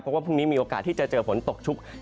เพราะว่าพรุ่งนี้มีโอกาสที่จะเจอฝนตกชุก